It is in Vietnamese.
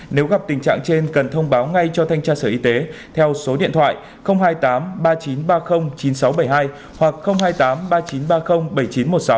nếu gặp tình trạng trên cần thông báo ngay cho thanh tra sở y tế theo số điện thoại hai mươi tám ba nghìn chín trăm ba mươi chín nghìn sáu trăm bảy mươi hai hoặc hai mươi tám ba nghìn chín trăm ba mươi bảy nghìn chín trăm một mươi sáu